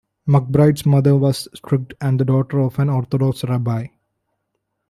McBride's mother was strict and the daughter of an Orthodox rabbi.